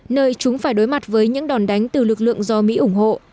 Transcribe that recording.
nơi chúng phải đối mặt với những đòn đánh từ lực lượng do mỹ ủng hộ